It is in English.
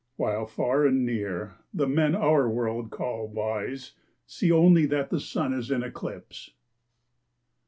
While far and near the men our world call wise See only that the Sun is in eclipse.